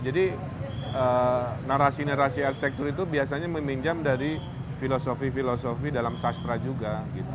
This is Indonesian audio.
jadi narasi narasi arsitektur itu biasanya meminjam dari filosofi filosofi dalam sastra juga